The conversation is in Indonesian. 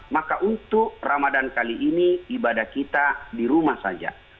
maka untuk ramadan kali ini ibadah kita di rumah saja